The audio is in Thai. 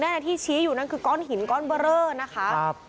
ที่ชี้อยู่นั่นคือก้อนหินก้อนเบอร์เรอนะคะ